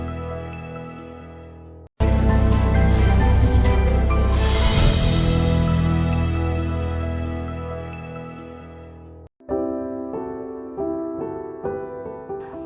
bukan milik negara